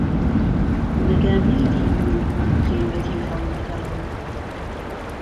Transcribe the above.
مهگه نهیدیبوون خێوهتی ههڵدراو